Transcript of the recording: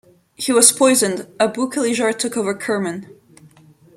He was poisoned; Abu Kalijar took over Kerman.